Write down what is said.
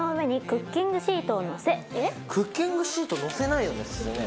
クッキングシートのせないよね普通ね。